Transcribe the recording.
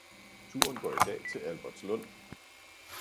Turen går i dag til Albertslund